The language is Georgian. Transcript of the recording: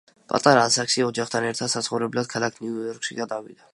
პატარა ასაკში ოჯახთან ერთად საცხოვრებლად ქალაქ ნიუ-იორკში გადავიდა.